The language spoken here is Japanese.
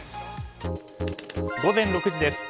午前６時です。